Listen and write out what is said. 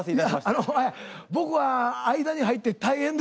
いやあの僕は間に入って大変でした。